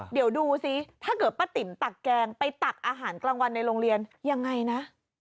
เดี๋ยวดูสิถ้าเกิดป้าติ๋มตักแกงไปตักอาหารกลางวันในโรงเรียนยังไงนะ